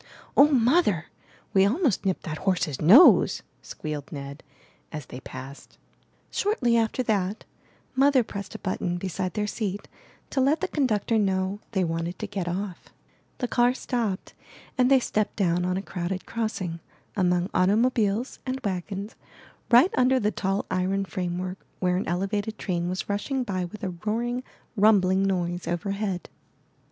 "Oh, Mother, we almost nipped that horse's nose!" squealed Ned, as they passed. Shortly after that. Mother pressed a button beside their seat to let the conductor know they wanted 398 IN THE NURSERY 399 MY BOOK HOUSE to get off. The car stopped and they stepped down on a crowded crossing, among automobiles and wagons, right under the tall iron framework where an elevated train was rushing by with a roaring, rumbling noise overhead.